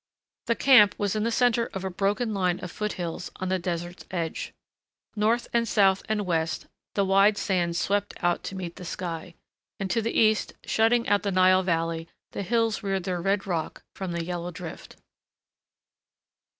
The camp was in the center of a broken line of foothills on the desert's edge. North and south and west the wide sands swept out to meet the sky, and to the east, shutting out the Nile valley, the hills reared their red rock from the yellow drift.